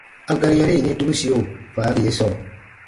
A gari yari yini tubusio faagi ye sɔɔ :